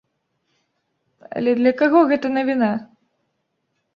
Але для каго гэта навіна?